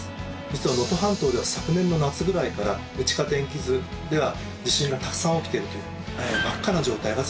実は能登半島では昨年の夏ぐらいから地下天気図では地震がたくさん起きてるという。